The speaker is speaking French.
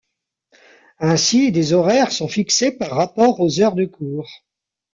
Ainsi des horaires sont fixés par rapport aux heures de cours.